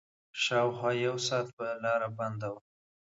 شاوخوا يو ساعت به لاره بنده وه.